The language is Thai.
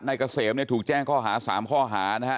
เกษมเนี่ยถูกแจ้งข้อหา๓ข้อหานะฮะ